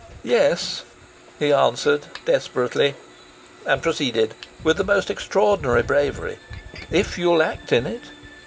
"Yes," he answered desperately. And proceeded, with the most extraordinary bravery, "If you'll act in it."